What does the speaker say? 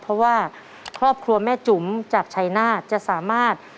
เพราะว่าครอบครัวแม่จุ๋มจากชัยนาธจะสามารถ